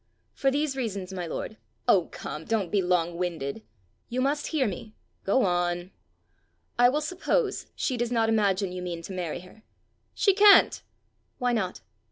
"For these reasons, my lord: " "Oh, come! don't be long winded." "You must hear me." "Go on." "I will suppose she does not imagine you mean to marry her." "She can't!" "Why not?"